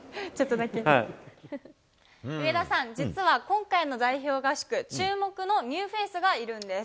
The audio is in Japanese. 上田さん、実は今回の代表合宿、注目のニューフェースがいるんです。